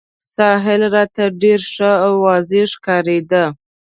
ساحل راته ډېر ښه او واضح ښکارېده.